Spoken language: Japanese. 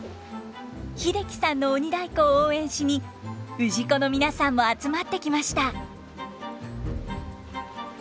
英樹さんの鬼太鼓を応援しに氏子の皆さんも集まってきました。